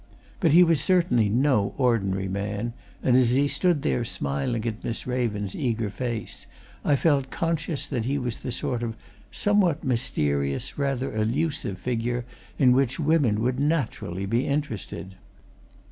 But he was certainly no ordinary man, and as he stood there smiling at Miss Raven's eager face, I felt conscious that he was the sort of somewhat mysterious, rather elusive figure in which women would naturally be interested.